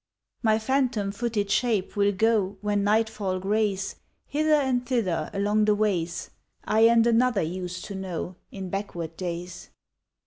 My phantom footed shape will go When nightfall grays Hither and thither along the ways I and another used to know In backward days.